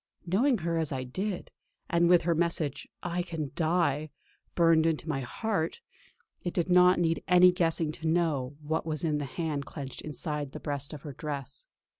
Knowing her as I did, and with her message "I can die" burned into my heart, it did not need any guessing to know what was in the hand clenched inside the breast of her dress.